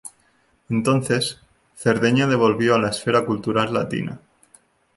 Entonces, Cerdeña devolvió a la esfera cultural latina.